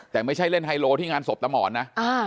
แต่ไม่ใช่เล่นไฮโลที่งานศพตามหมอนนะ